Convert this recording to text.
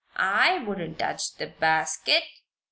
I wouldn't touch the basket."